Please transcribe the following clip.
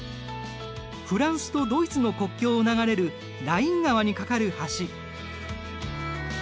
フランスとドイツの国境を流れるライン川に架かる橋。